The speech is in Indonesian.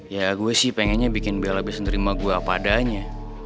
ya gue sih pengennya bikin bela abis nerima gue apa adanya